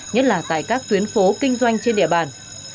nhất là tại các tuyến phố kinh doanh trên địa bàn